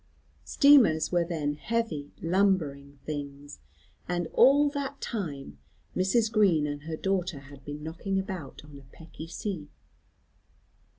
Steamers were then heavy lumbering things, and all that time Mrs. Green and her daughter had been knocking about on a pecky sea.